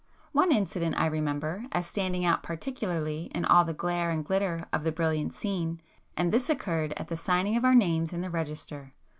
One incident I remember, as standing out particularly in all the glare and glitter of the brilliant scene, and this occurred at the signing of our names in the register.